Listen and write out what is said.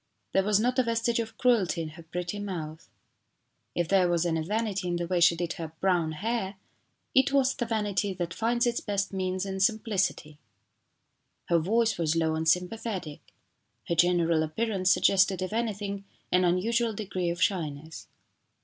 There was not a vestige of cruelty in her pretty mouth. If there was any vanity in the way she did her brown hair it was the vanity that finds its best means in simplicity. Her voice was low and sympathetic. Her general appearance suggested, if anything, an unusual degree of shyness.